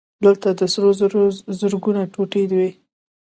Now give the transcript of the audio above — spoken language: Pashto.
دلته د سرو زرو زرګونه ټوټې وې